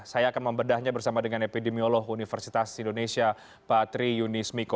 saya akan membedahnya bersama dengan epidemiolog universitas indonesia pak tri yunis miko